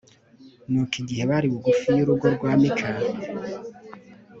nuko igihe bari bugufi y'urugo rwa mika